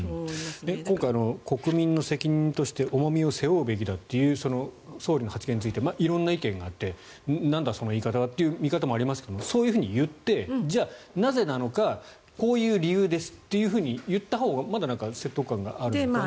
今回、国民の責任として重みを背負うべきだという総理の発言について色んな意見があってなんだその言い方はという見方もありますがそういうふうに言ってじゃあ、なぜなのかこういう理由ですと言ったほうがまだ説得力がある。